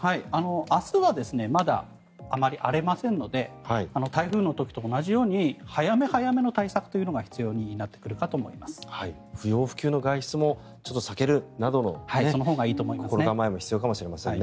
明日はまだあまり荒れませんので台風の時と同じように早め早めの対策が不要不急の外出も避けるなどの心構えも必要かもしれませんね。